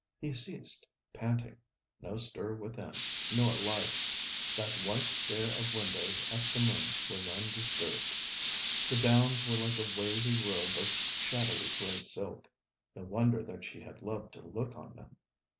He ceased, panting. No stir within, nor light. That white stare of windows at the moon was undisturbed. The Downs were like a wavy robe of shadowy grey silk. No wonder that she had loved to look on them!